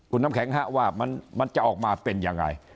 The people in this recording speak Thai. คุณน้ำแข็งว่ามันจะออกมาเป็นยังไง